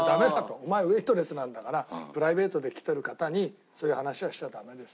お前ウェートレスなんだからプライベートで来てる方にそういう話はしちゃダメです。